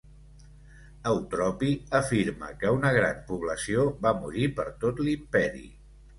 Eutropi afirma que una gran població va morir per tot l'imperi.